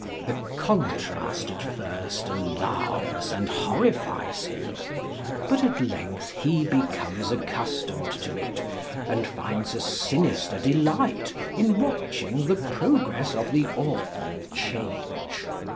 The contrast at first alarms and horrifies him; but at length he becomes accustomed to it, and finds a sinister delight in watching the progress of the awful change.